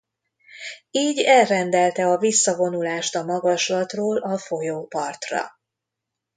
Így elrendelte a visszavonulást a magaslatról a folyópartra.